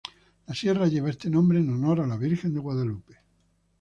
La sierra lleva este nombre en honor a la virgen de Guadalupe.